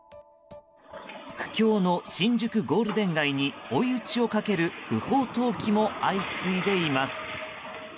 苦境の新宿ゴールデン街に追い打ちをかける不法投棄も相次いでいます。